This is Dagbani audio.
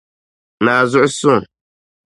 ni a zuɣu suŋ.